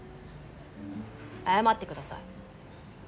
謝ってください。